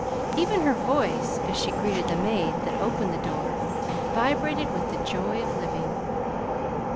Even her voice, as she greeted the maid that opened the door, vibrated with the joy of living.